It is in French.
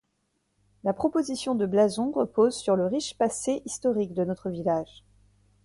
La proposition de blason repose sur le riche passé historique de notre village.